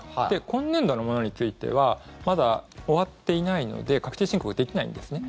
今年度のものについてはまだ終わっていないので確定申告できないんですね。